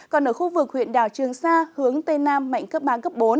còn ở khu vực huyện đảo trường sa hướng tây nam mạnh cấp ba cấp bốn